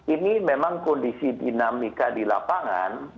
ini memang kondisi dinamika di lapangan